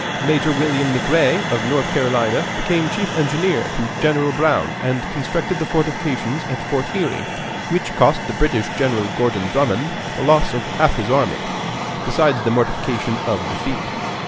Major William McRee, of North Carolina, became chief engineer to General Brown and constructed the fortifications at Fort Erie, which cost the British General Gordon Drummond the loss of half his army, besides the mortification of defeat.